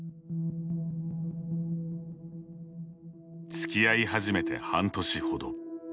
つきあい始めて半年ほど。